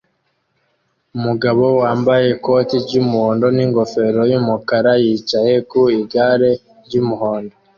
Umugabo wambaye ikoti ry'umuhondo n'ingofero y'umukara yicaye ku igare ry'umuhondo